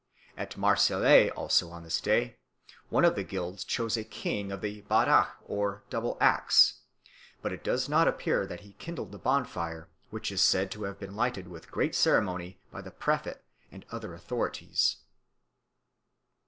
At Marseilles also on this day one of the guilds chose a king of the badache or double axe; but it does not appear that he kindled the bonfire, which is said to have been lighted with great ceremony by the préfet and other authorities.